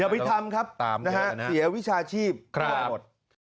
เดี๋ยวพิธรรมครับเสียวิชาชีพทุกคนหมด